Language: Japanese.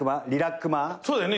そうだよね